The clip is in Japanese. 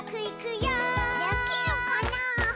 できるかなぁ？